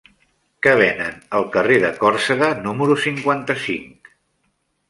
Què venen al carrer de Còrsega número cinquanta-cinc?